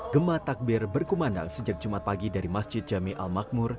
gemah takbir berkumandang sejak jumat pagi dari masjid jami al makmur